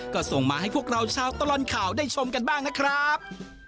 ก็ส่งมาให้พวกเราชาวตลอดข่าวได้ชมกันบ้างนะครับ